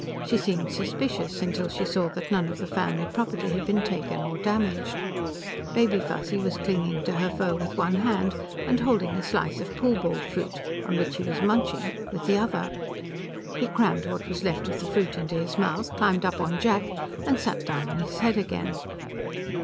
She seemed suspicious, until she saw that none of the family property had been taken or damaged. Baby Fuzzy was clinging to her fur with one hand and holding a slice of pool ball fruit, on which he was munching, with the other. He crammed what was left of the fruit into his mouth, climbed up on Jack and sat down on his head again.